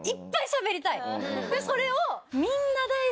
でそれを。